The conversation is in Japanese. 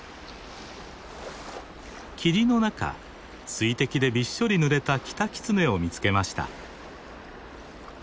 霧の中水滴でびっしょりぬれたキタキツネを見つけました。